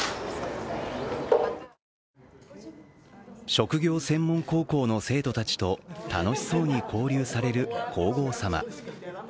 職業専門高校の生徒たちと、楽しそうに交流される皇后さま。